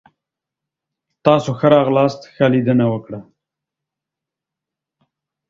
تاسو ښه راغلاست. ښه لیدنه وکړه!